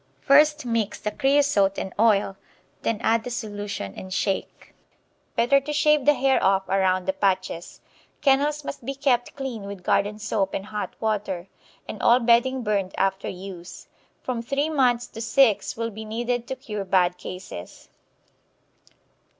First mix the creosote and oil, then add the solution and shake. Better to shave the hair off around the patches. Kennels must be kept clean with garden soap and hot water, and all bedding burned after use. From three months to six will be needed to cure bad cases.